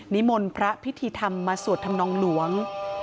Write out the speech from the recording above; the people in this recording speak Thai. นิมนต์พระพิธีธรรมมาสวดธรรมนองหลวง